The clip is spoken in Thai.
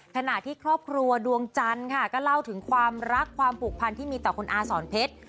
ขณะที่ครอบครัวดวงจันทร์ค่ะก็เล่าถึงความรักความผูกพันที่มีต่อคุณอาสอนเพชร